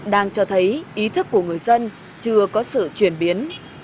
đang cho thấy ý thức của người dân chưa có sự chuyển biến